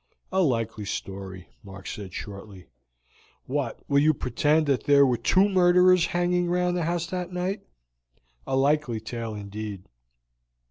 "A likely story," Mark said shortly. "What, you will pretend that there were two murderers hanging round the house that night? a likely tale indeed."